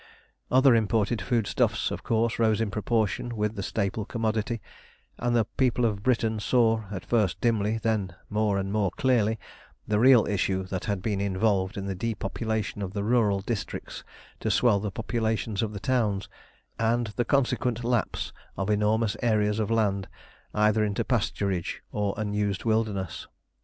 Other imported food stuffs, of course, rose in proportion with the staple commodity, and the people of Britain saw, at first dimly, then more and more clearly, the real issue that had been involved in the depopulation of the rural districts to swell the populations of the towns, and the consequent lapse of enormous areas of land either into pasturage or unused wilderness.